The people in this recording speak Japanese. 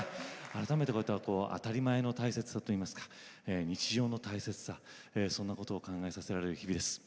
改めて、当たり前の大切さといいますか日常の大切さそんなことを考えさせられる日々です。